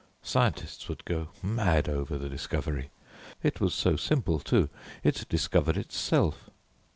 Scientists would go mad over the discovery. It was so simple too; it discovered itself.